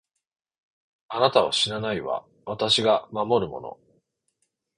あなたは死なないわ、私が守るもの。